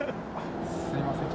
すいません。